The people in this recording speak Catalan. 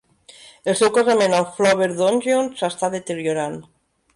El seu casament amb Flower Dongeon s'està deteriorant.